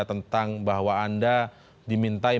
tentang bahwa anda dimintai